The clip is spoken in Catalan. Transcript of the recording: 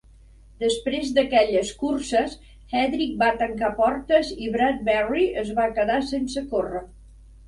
Després d'aquelles curses, Hedrick va tancar portes i Bradberry es va quedar sense córrer.